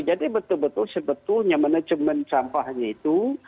betul betul sebetulnya manajemen sampahnya itu